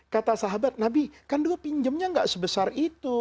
kata sahabat nabi kan dulu pinjamnya gak sebesar itu